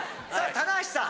棚橋さん！